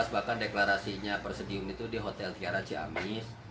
dua ribu enam belas bahkan deklarasinya persedium itu di hotel tiara ciamis